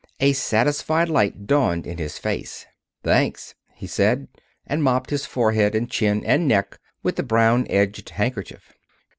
A satisfied light dawned in his face. "Thanks," he said, and mopped his forehead and chin and neck with the brown edged handkerchief.